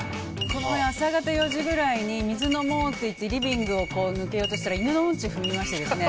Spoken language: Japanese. この前、朝方４時ぐらいに水飲もうって言ってリビングを抜けようとしたら犬のうんち、踏みましてですね。